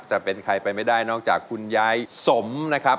แต่เป็นใครไปไม่ได้นอกจากคุณยายสมนะครับ